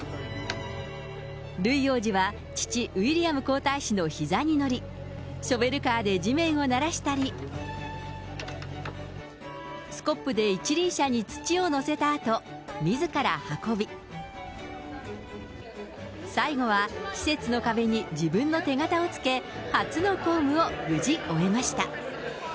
ルイ王子は、父、ウィリアム皇太子のひざに乗り、ショベルカーで地面をならしたり、スコップで一輪車に土を載せたあと、みずから運び、最後は施設の壁に自分の手形をつけ、初の公務を無事終えました。